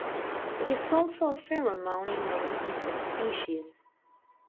It is also a pheromone in many insect species.